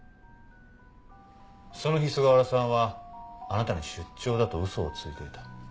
その日菅原さんはあなたに出張だと嘘をついていた。